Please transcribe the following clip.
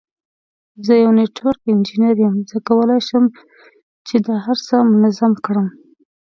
زه یو نټورک انجینیر یم، زه کولای شم چې دا هر څه سم منظم کړم.